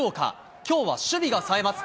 きょうは守備がさえます。